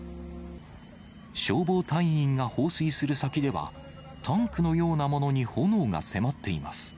消防隊員が放水する先では、タンクのようなものに炎が迫っています。